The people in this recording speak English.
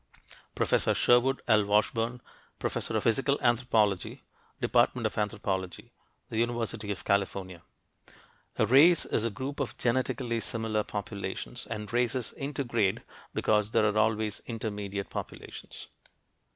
Professor Sherwood L. Washburn, professor of Physical Anthropology, Department of Anthropology, the University of California: "A 'race' is a group of genetically similar populations, and races intergrade because there are always intermediate populations."